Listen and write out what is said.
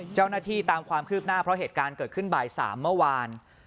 เจ้าหน้าที่ตามความคืบหน้าเพราะเหตุการณ์เกิดขึ้นบ่าย๓เมื่อวาน